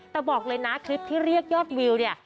แต่บอกเลยนะคลิปที่เรียกยอดวิวเนี่ย